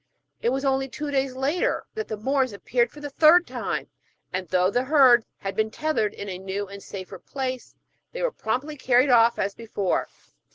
It was only two days later that the Moors appeared for the third time, and though the herds had been tethered in a new and safer place, they were promptly carried off as before.